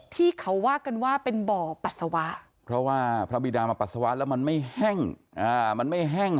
ที่เขาว่ากันว่าเป็นบ่อปัสสาวะเพราะว่าพระบิดามาปัสสาวะแล้วมันไม่แห้งมันไม่แห้ง